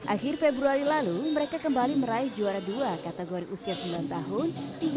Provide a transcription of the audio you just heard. akhir februari lalu mereka kembali meraih juara dua kategori usia sembilan tahun